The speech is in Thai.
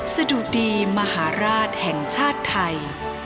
สะดุดีมหาราชแห่งชาติไทย